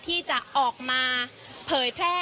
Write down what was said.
ที่จะออกมาเผยแพร่